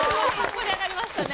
盛り上がりましたね。